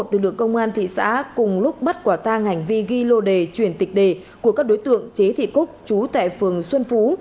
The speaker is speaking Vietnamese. lực lượng công an thị xã cùng lúc bắt quả tang hành vi ghi lô đề chuyển tịch đề của các đối tượng chế thị cúc chú tại phường xuân phú